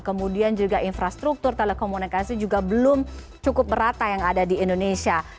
kemudian juga infrastruktur telekomunikasi juga belum cukup merata yang ada di indonesia